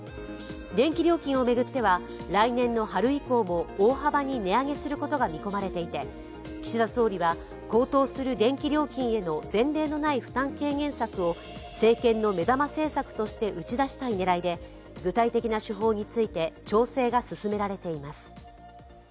電気料金を巡っては来年の春以降も大幅に値上げすることが見込まれていて、岸田総理は高騰する電気料金への前例のない負担軽減策を政権の目玉政策として打ち出したい狙いで、具体的な手法について調整が進められています。